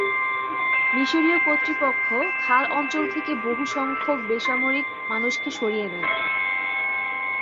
মিশরীয় কর্তৃপক্ষ খাল অঞ্চল থেকে বহুসংখ্যক বেসামরিক মানুষকে সরিয়ে নেয়।